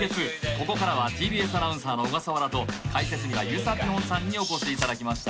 ここからはＴＢＳアナウンサーの小笠原と解説にはゆさぴょんさんにお越しいただきました